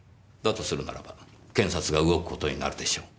とするならば検察が動く事になるでしょう。